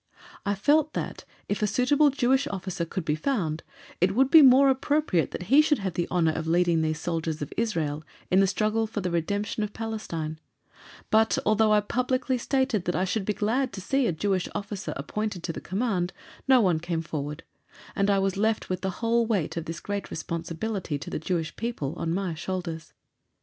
I felt that, if a suitable Jewish officer could be found, it would be more appropriate that he should have the honour of leading these soldiers of Israel in the struggle for the redemption of Palestine; but, although I publicly stated that I should be glad to see a Jewish officer appointed to the command, no one came forward, and I was left with the whole weight of this great responsibility to the Jewish people on my shoulders.